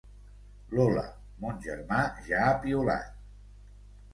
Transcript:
Lola, mon germà ja ha piulat.